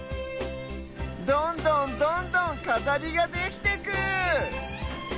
どんどんどんどんかざりができてく！